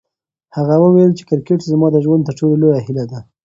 هغه وویل چې کرکټ زما د ژوند تر ټولو لویه هیله ده.